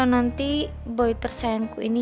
sekarang precipitation udah vois deh